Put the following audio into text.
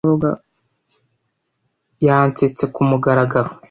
Yansetse kumugaragaro.